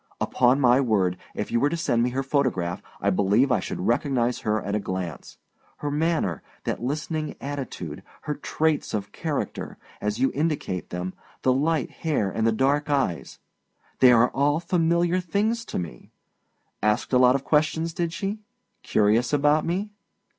Upon my word, if you were to send me her photograph, I believe I should recognize her at a glance. Her manner, that listening attitude, her traits of character, as you indicate them, the light hair and the dark eyes they are all familiar things to me. Asked a lot of questions, did she? Curious about me?